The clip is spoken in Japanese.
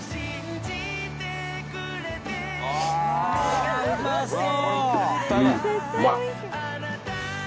わあうまそう！